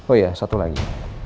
oh iya satu lagi